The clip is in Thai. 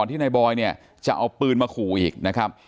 ก่อนที่ไหนบ่อยม่าจะเอาปืนมาขู่อีกนะครับ